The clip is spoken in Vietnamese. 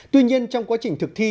tuy nhiên trong quá trình thực thi